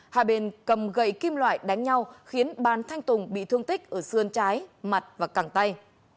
hai bên cầm gậy kim loại đánh nhau khiến bàn thanh tùng bị thương tích ở xương trái mặt và cẳng tay